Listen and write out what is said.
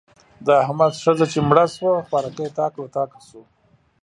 د احمد ښځه چې مړه شوه؛ خوارکی تاک له تاکه شو.